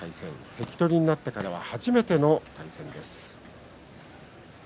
関取になってからは初めての対戦です。